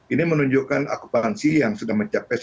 ini menunjukkan akupansi yang sudah mencapai seratus